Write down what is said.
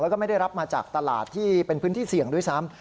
แล้วก็ไม่ได้รับมาจากตลาดที่เป็นพื้นที่เสี่ยงด้วยซ้ำ